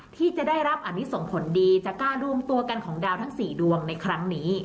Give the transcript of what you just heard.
ที่จะได้รับอันนี้ส่งผลดีจากการรวมตัวกันของดาวทั้ง๔ดวงในครั้งนี้